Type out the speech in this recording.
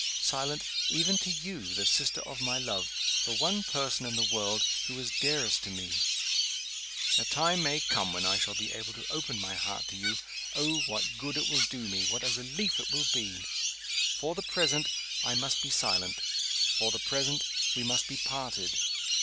Silent even to you, the sister of my love the one person in the world who is dearest to me! A time may come when I shall be able to open my heart to you. Oh, what good it will do me! what a relief it will be! For the present, I must be silent. For the present, we must be parted.